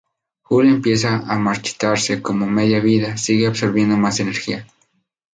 Hulk empieza a marchitarse como Media Vida sigue absorbiendo más energía.